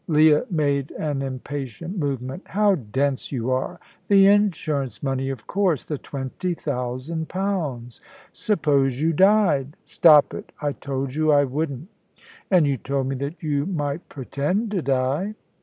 Leah made an impatient movement. "How dense you are! The insurance money, of course the twenty thousand pounds. Suppose you died " "Stop it. I told you I wouldn't." "And you told me that you might pretend to die."